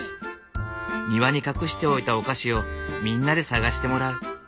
庭に隠しておいたお菓子をみんなで探してもらう。